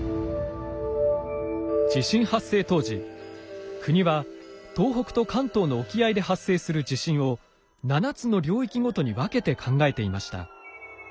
地震発生当時国は東北と関東の沖合で発生する地震を７つの領域ごとに分けて考えていました。